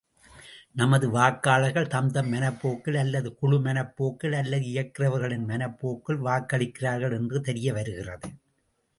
நமது வாக்காளர்கள் தம்தம் மனப்போக்கில் அல்லது குழு மனப்போக்கில் அல்லது இயக்குகிறவர்களின் மனப் போக்கில் வாக்களிக்கிறார்கள் என்று தெரியவருகிறது.